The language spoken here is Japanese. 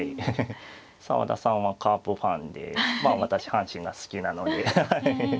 澤田さんはカープファンで私阪神が好きなので。